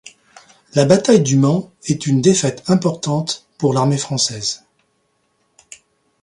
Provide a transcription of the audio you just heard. La bataille du Mans est une défaite importante pour l'armée française.